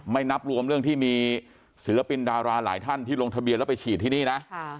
นับรวมเรื่องที่มีศิลปินดาราหลายท่านที่ลงทะเบียนแล้วไปฉีดที่นี่นะ